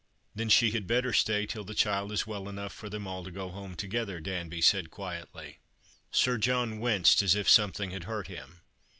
" Then she had better stay till the child is well enough for them all to go home together," Danby said quietly. Sir John winced as if something had hurt him.